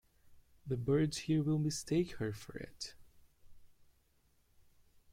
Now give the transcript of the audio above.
The birds here will mistake her for it.